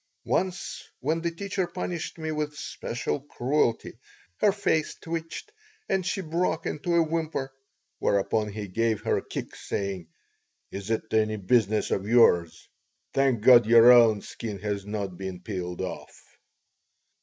Once when the teacher punished me with special cruelty her face twitched and she broke into a whimper, whereupon he gave her a kick, saying: "Is it any business of yours? Thank God your own skin has not been peeled off."